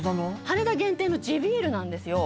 羽田限定の地ビールなんですよ